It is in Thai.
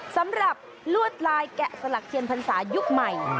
สำหรับลวดลายแกะสลักเทียนพรรษายุคใหม่